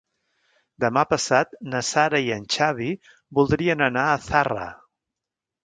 Demà passat na Sara i en Xavi voldrien anar a Zarra.